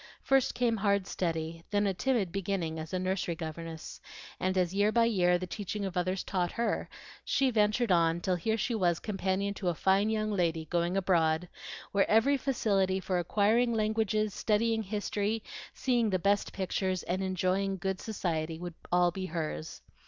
First came hard study, then a timid beginning as nursery governess; and as year by year the teaching of others taught her, she ventured on till here she was companion to a fine young lady "going abroad," where every facility for acquiring languages, studying history, seeing the best pictures, and enjoying good society would all be hers.